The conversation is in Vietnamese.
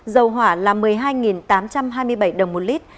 dầu hỏa là một mươi hai tám trăm hai mươi bảy đồng một lít